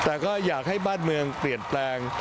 แต่ก็อยากให้บ้านเมืองเปลี่ยนแปลง